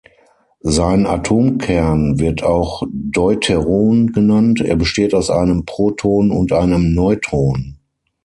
Sein Atomkern wird auch Deuteron genannt, er besteht aus einem Proton und einem Neutron.